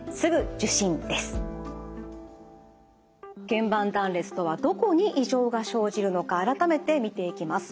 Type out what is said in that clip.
けん板断裂とはどこに異常が生じるのか改めて見ていきます。